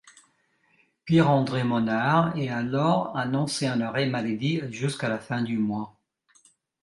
Pierre-André Monnard est alors annoncé en arrêt maladie jusqu'à la fin du mois.